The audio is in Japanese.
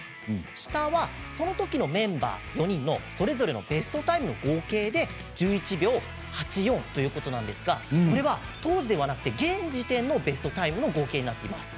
下はそのときのメンバー４人のそれぞれのベストタイムの合計で５１秒８４ということなんですがこれは当時ではなく現時点でのタイムになっています。